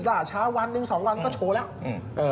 หละช้าวัน๑๒วันก็โชว์แล้ว